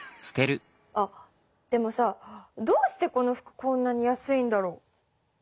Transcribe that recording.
あっでもさどうしてこの服こんなに安いんだろ？